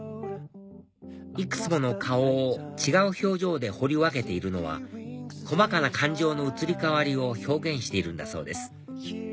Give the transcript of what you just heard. いくつもの顔を違う表情で彫り分けているのは細かな感情の移り変わりを表現しているんだそうです